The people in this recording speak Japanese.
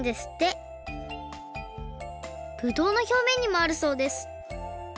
ぶどうのひょうめんにもあるそうです。